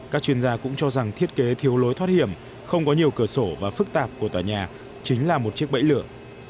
các chuyên gia cũng cho rằng thiết kế thiếu lối thoát hiểm không có nhiều cửa sổ và phức tạp của tòa nhà chính là một chiếc bẫy lửa